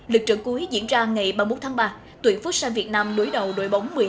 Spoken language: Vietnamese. lực trận cuối diễn ra ngày ba mươi một tháng ba tuyển phúc san việt nam đối đầu đội bóng